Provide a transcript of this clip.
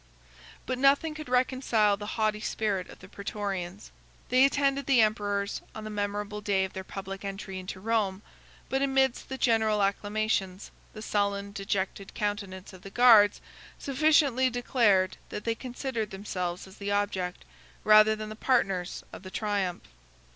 41 But nothing could reconcile the haughty spirit of the Prætorians. They attended the emperors on the memorable day of their public entry into Rome; but amidst the general acclamations, the sullen, dejected countenance of the guards sufficiently declared that they considered themselves as the object, rather than the partners, of the triumph.